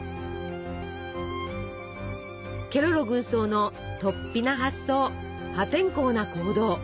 ケロロ軍曹のとっぴな発想破天荒な行動